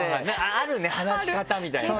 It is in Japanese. あるね話し方みたいなね